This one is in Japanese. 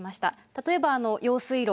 例えば用水路。